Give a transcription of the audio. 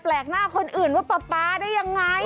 แปลกหน้าคนอื่นว่าป๊าได้อย่างไร